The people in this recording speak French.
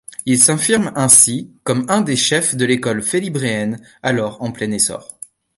Il s'affirme ainsi comme un des chefs de l'école félibréenne, alors en plein essor.